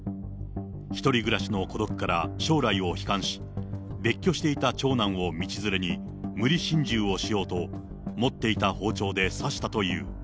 １人暮らしの孤独から将来を悲観し、別居していた長男を道連れに、無理心中をしようと、持っていた包丁で刺したという。